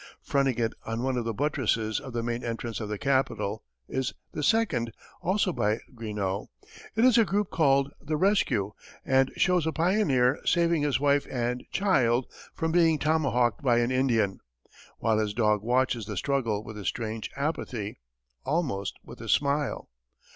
Fronting it on one of the buttresses of the main entrance of the Capitol, is the second, also by Greenough. It is a group called "The Rescue," and shows a pioneer saving his wife and child from being tomahawked by an Indian, while his dog watches the struggle with a strange apathy almost with a smile.